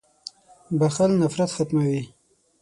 • بخښل نفرت ختموي.